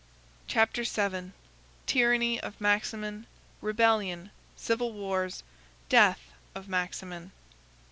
] Chapter VII: Tyranny Of Maximin, Rebellion, Civil Wars, Death Of Maximin.